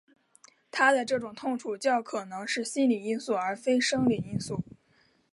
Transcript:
他的这种痛楚较可能是心理因素而非生理因素。